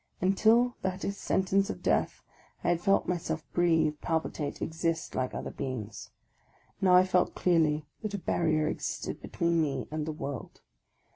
Until that sentence of Death I had felt myself breathe, palpitate, exist, like other beings. Now I felt clearly that a barrier existed between me and the world.